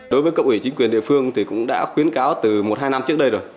đối với cộng ủy chính quyền địa phương thì cũng đã khuyến cáo từ một hai năm trước đây rồi